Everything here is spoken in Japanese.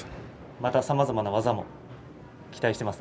また、さまざまな技を期待しています。